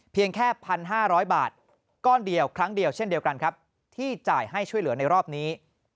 แค่๑๕๐๐บาทก้อนเดียวครั้งเดียวเช่นเดียวกันครับที่จ่ายให้ช่วยเหลือในรอบนี้